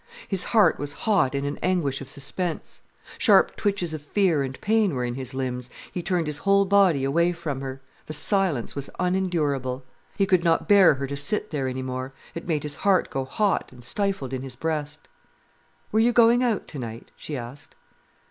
His heart was hot in an anguish of suspense. Sharp twitches of fear and pain were in his limbs. He turned his whole body away from her. The silence was unendurable. He could not bear her to sit there any more. It made his heart go hot and stifled in his breast. "Were you going out tonight?" she asked.